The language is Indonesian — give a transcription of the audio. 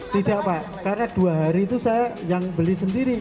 tidak pak karena dua hari itu saya yang beli sendiri